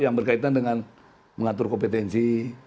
yang berkaitan dengan mengatur kompetensi